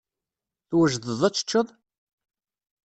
Twejdeḍ ad tecceḍ?